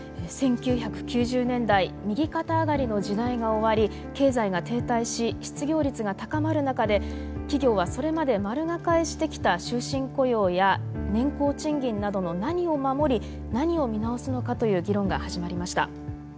１９９０年代右肩上がりの時代が終わり経済が停滞し失業率が高まる中で企業はそれまで丸抱えしてきた終身雇用や年功賃金などの何を守り何を見直すのかという議論が始まりました。